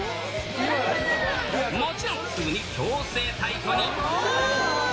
もちろん、すぐに強制退去に。